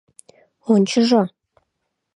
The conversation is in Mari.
Ончыжо!